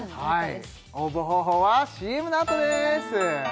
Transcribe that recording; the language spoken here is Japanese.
応募方法はＣＭの後です